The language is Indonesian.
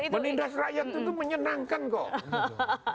menindas rakyat itu menyenangkan kok